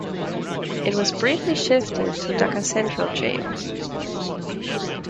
It was briefly shifted to Dhaka Central Jail.